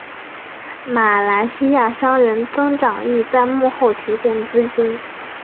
马来西亚商人曾长义在幕后提供资金。